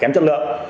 kèm chất lượng